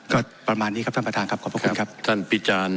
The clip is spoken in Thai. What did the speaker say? ก็ประมาณนี้ครับท่านประธานครับขอบคุณครับครับท่านพี่จาน